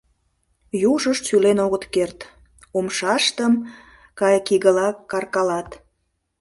Южышт шӱлен огыт керт, умшаштым кайыкигыла каркалат.